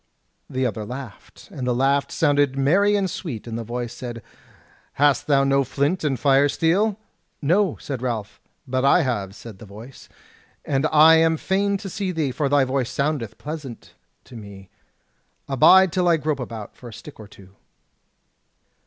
The other laughed, and the laugh sounded merry and sweet, and the voice said: "Hast thou no flint and fire steel?" "No," said Ralph. "But I have," said the voice, "and I am fain to see thee, for thy voice soundeth pleasant to me. Abide till I grope about for a stick or two."